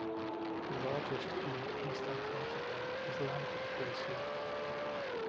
The largest in East Antarctica is Lambert Glacier.